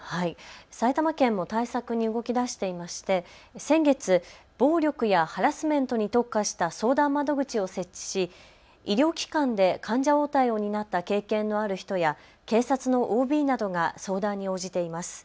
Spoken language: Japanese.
埼玉県も対策に動き出していまして先月、暴力やハラスメントに特化した相談窓口を設置し、医療機関で患者応対を担った経験のある人や警察のＯＢなどが相談に応じています。